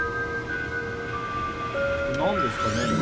何ですかね？